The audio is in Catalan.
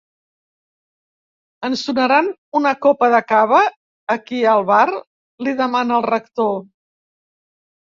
Ens donaran una copa de cava, aquí al bar? —li demana el rector.